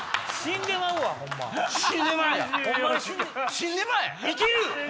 死んでまえ！